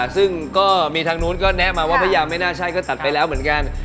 ซึ่งก็มีทางนู้นก็แนะมาว่าพญาไม่น่าใช่ก็ตัดไปแล้วเหมือนกัน